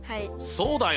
そうだよ。